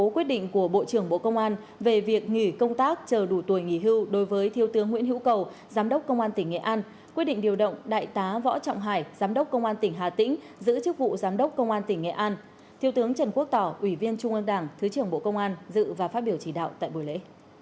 quỷ viên trung ương đảng thứ trưởng bộ công an dự và phát biểu chỉ đạo tại buổi lễ